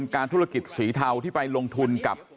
การธุรกิจสีเทาที่ไปลงทุนกับ